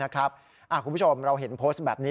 คุณผู้ชมเราเห็นโพสต์แบบนี้